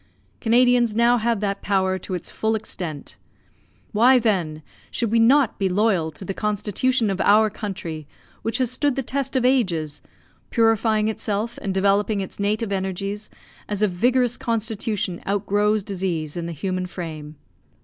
Canadians now have that power to its full extent. Why, then, should we not be loyal to the constitution of our country which has stood the test of ages, purifying itself and developing its native energies as a vigorous constitution outgrows disease in the human frame.